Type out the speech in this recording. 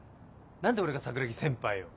何で俺が桜樹先輩を。